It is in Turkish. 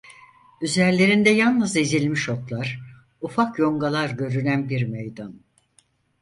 Üzerlerinde yalnız ezilmiş otlar, ufak yongalar görülen bir meydan…